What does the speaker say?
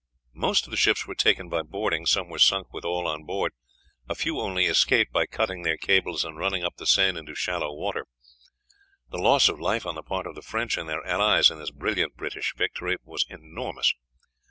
Most of the ships were taken by boarding, some were sunk with all on board, a few only escaped by cutting their cables and running up the Seine into shallow water. The loss of life on the part of the French and their allies in this brilliant British victory was enormous.